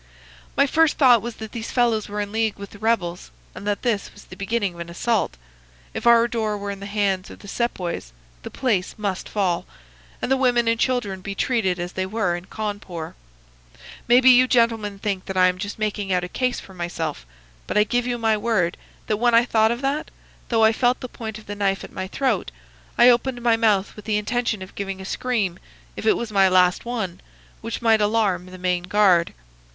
"My first thought was that these fellows were in league with the rebels, and that this was the beginning of an assault. If our door were in the hands of the Sepoys the place must fall, and the women and children be treated as they were in Cawnpore. Maybe you gentlemen think that I am just making out a case for myself, but I give you my word that when I thought of that, though I felt the point of the knife at my throat, I opened my mouth with the intention of giving a scream, if it was my last one, which might alarm the main guard.